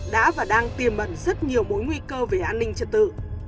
đã và đang tiềm ẩn rất nhiều mối nguy cơ về an ninh trật tự